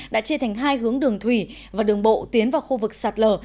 đã chia thành hai hướng đường thủy và đường bộ tiến vào khu vực sạt lở